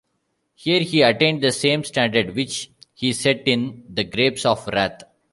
Here he attained the same standard which he set in "The Grapes of Wrath".